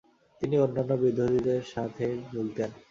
তিনি অন্যান্য বিদ্রোহী বাহিনীর সাথে যোগ দেন।